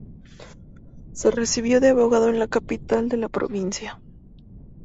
Se recibió de abogado en la capital de la provincia.